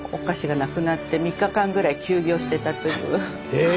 へえ。